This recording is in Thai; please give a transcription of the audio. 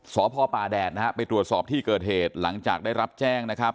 สพป่าแดดนะฮะไปตรวจสอบที่เกิดเหตุหลังจากได้รับแจ้งนะครับ